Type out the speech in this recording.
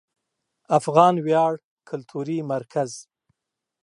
افغان ویاړ کلتوري مرکز